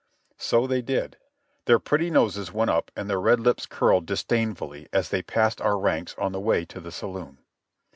So they did. Their pretty noses went up and their red lips curled disdainfully as they passed our ranks on the way to the saloon.